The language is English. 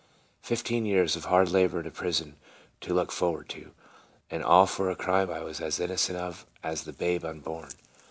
Fifteen years of hard labor in a prison to look forward to, and all for a crime I was as innocent of as the babe unborn.